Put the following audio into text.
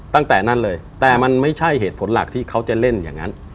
ตั้งแต่นั้นเลยแต่มันไม่ใช่เหตุผลหลักที่เขาจะเล่นอย่างนั้น